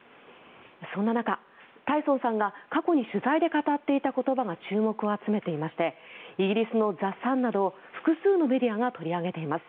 そんな中、タイソンさんが過去に取材で語っていた言葉が注目を集めていましてイギリスのザ・サンなど複数のメディアが取り上げています。